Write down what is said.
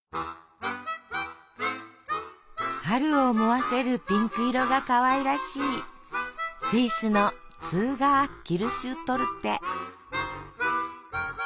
春を思わせるピンク色がかわいらしいスイスのツーガー・キルシュトルテ。